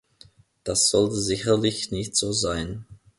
Das sollte sicherlich nicht so sein.